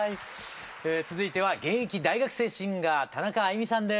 続いては現役大学生シンガー田中あいみさんです。